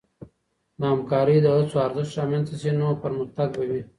د همکارۍ د هڅو د ارزښت رامنځته سي، نو پرمختګ به وي.